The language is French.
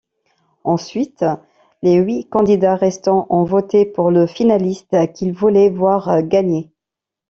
Ensuite, les huit candidats restants ont voté pour le finaliste qu'ils voulaient voir gagner.